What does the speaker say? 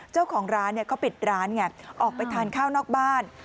เจ้าของร้านเขาปิดร้านไงออกไปทานข้าวนอกบ้าน